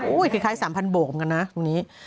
โอ้ยคล้ายสามพันโบกกันนะตรงนี้